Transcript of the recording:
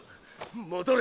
戻れ